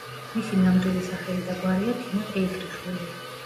მისი ნამდვილი სახელი და გვარია თინა ფეიქრიშვილი.